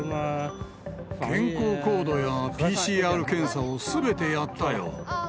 健康コードやＰＣＲ検査をすべてやったよ。